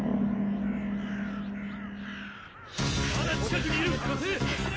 まだ近くにいる！